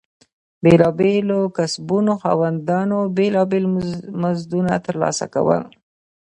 بېلابېلو کسبونو خاوندانو بېلابېل مزدونه ترلاسه کول.